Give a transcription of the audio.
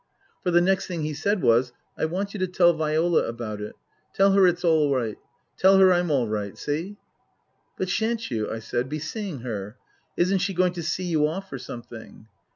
For the next thing he said was, " I want you to tell Viola about it. Tell her it's all right. Tell her I'm all right. See ?"" But shan't you," I said, " be seeing her ? Isn't she going to see you off or something